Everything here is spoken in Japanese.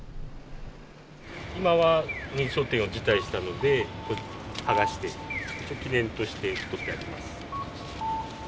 今は認証店を辞退したので剥がして、一応記念として取ってあります。